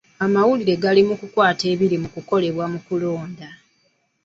Amawulire gali mu kukwata ebiri mu kukolebwa mu kulonda.